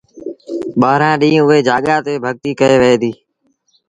ٻآهرآݩ ڏيݩهݩ اُئي جآڳآ تي ڀڳتيٚ ڪئيٚ وهي ديٚ